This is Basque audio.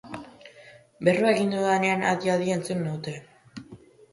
Berba egin dudanean adi-adi entzun naute.